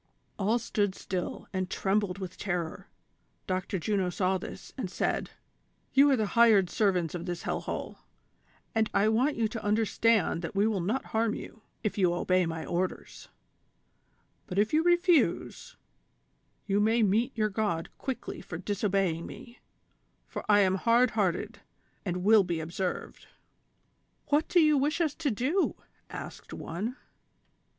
" All stood still and trembled with terror ; Dr. Juno saw this, and said : "You are the hired servants of this hell hole, and I want you to imderstand that we will not harm you, if you obey my orders ; but if you refuse, you may meet your THE CONSPIRATOKS AND LOVERS. 229 God quickly for disobeying me, for I am hard hearted and will be observed." " What do you wish us to do V " asked one.